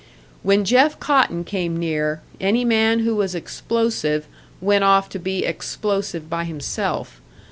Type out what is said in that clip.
When Jeff Cotton came near, any man who was explosive went off to be explosive by himself.